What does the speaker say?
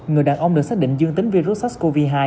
người đàn ông được xác định dương tính virus sars cov hai